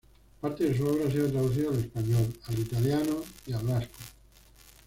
Parte de su obra ha sido traducida al español, al italiano y al vasco.